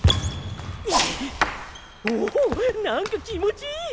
お何か気持ちいい！